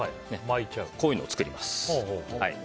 こういうのを作ります。